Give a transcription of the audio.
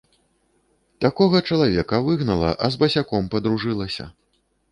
Такога чалавека выгнала, а з басяком падружылася.